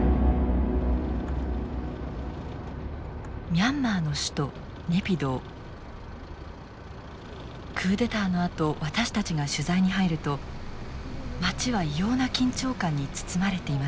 ミャンマーの首都クーデターのあと私たちが取材に入ると街は異様な緊張感に包まれていました。